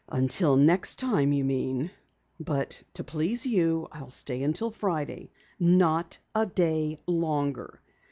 "Until next time, you mean. But to please you I'll stay until Friday. Not a day longer.